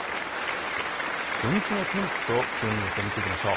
土日の天気と気温の予想を見ていきましょう。